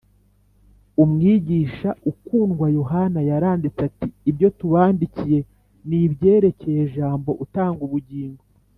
umwigishwa ukundwa yohana yaranditse ati: “ibyo tubandikiye ni ibyerekeye jambo utanga ubugingo,